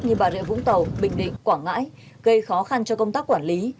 như bà rịa vũng tàu bình định quảng ngãi gây khó khăn cho công tác quản lý